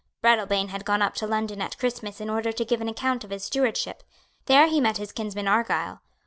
Breadalbane had gone up to London at Christmas in order to give an account of his stewardship. There he met his kinsman Argyle.